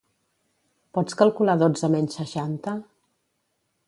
Pots calcular dotze menys seixanta?